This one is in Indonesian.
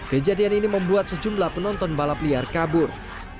kejadian ini membuat sejumlah penonton balap liar kabur